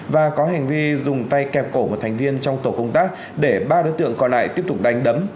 và có hành vi dùng tay kẹp cổ một thành viên trong tổ công tác để ba đối tượng còn lại tiếp tục đánh đấm